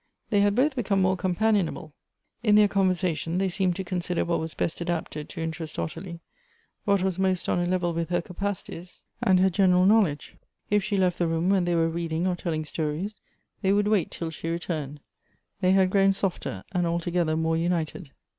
They had both become more com panionable. In their conversation they seemed to consider what was best adapted to interest Ottilie ; what was most on a level with her capacities and her general knowledge. If she left the room when they were reading or telling stories, they would wait till she returned. They had grown softer and altogether more united.